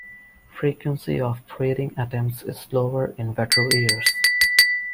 Frequency of breeding attempts is lower in wetter years.